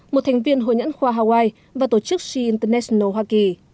một thành viên hội nhãn khoa hawaii và tổ chức sea international hoa kỳ